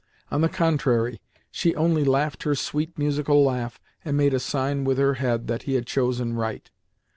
On the contrary, she only laughed her sweet, musical laugh, and made a sign with her head that he had chosen right.